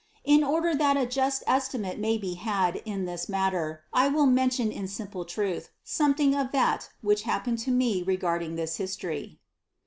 In order that a just estimate may be had in this matter I will mention in simple truth something of that which happened to me re garding this history.